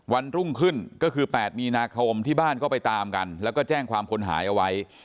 วันรุ่งขึ้นก็คือ๘มีนาคมที่บ้านก็ไปตามกันแล้วก็แจ้งความคนหายเอาไว้